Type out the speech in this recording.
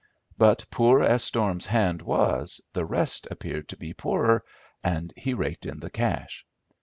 But, poor as Storm's hand was, the rest appeared to be poorer, and he raked in the cash.